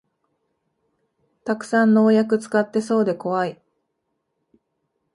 たくさん農薬使ってそうでこわい